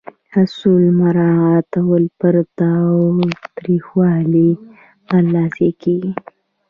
اصول مراعاتول پر تاوتریخوالي برلاسي کیږي.